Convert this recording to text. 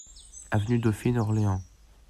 Avenue Dauphine, Orléans